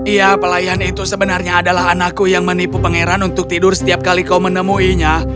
iya pelayan itu sebenarnya adalah anakku yang menipu pangeran untuk tidur setiap kali kau menemuinya